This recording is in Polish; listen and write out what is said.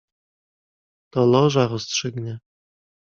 "To Loża rozstrzygnie."